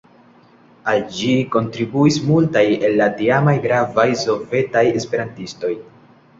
Al ĝi kontribuis multaj el la tiamaj gravaj sovetaj esperantistoj.